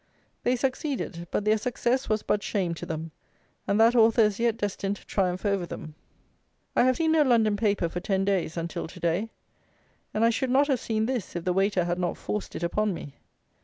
They succeeded; but their success was but shame to them; and that author is yet destined to triumph over them. I have seen no London paper for ten days until to day; and I should not have seen this if the waiter had not forced it upon me.